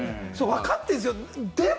わかってるんですよ。